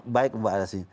baik mbak alasi